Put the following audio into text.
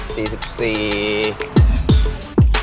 เตียวเรือบ้านแม่